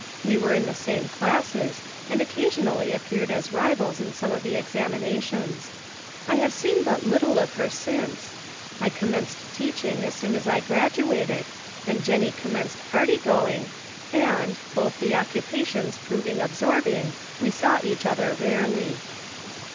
We were in the same classes, and occasionally ap peared as rivals in some of the examinations. I have seen but little of her since. I com menced teaching as soon as I graduated, and Jennie commenced party going, and, both the occupations proving absorbing, we saw each other rarely."